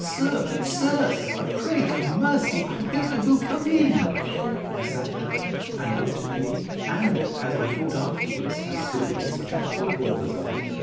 Sir, sir, said I, pray have mercy; I will, I will come in! He sat down, and looked at me, and, as I thought afterwards, as sillily as such a poor girl as I.